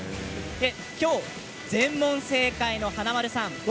今日、全問正解の華丸さん